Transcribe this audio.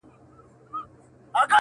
هره شېبه ولګېږي زر شمعي!!